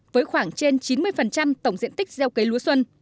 với khoảng trên chín mươi tổng diện tích gieo cấy lúa xuân